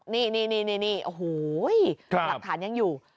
นี่โอ้โหหลักฐานยังอยู่